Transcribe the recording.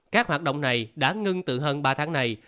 các hoạt động này đã ngưng từ hơn ba tháng này